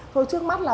thôi trước mắt là